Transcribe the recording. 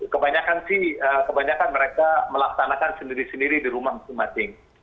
kebanyakan sih kebanyakan mereka melaksanakan sendiri sendiri di rumah masing masing